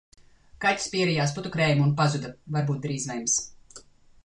Kaķis pierijās putukrējumu un pazuda, varbūt drīz vems.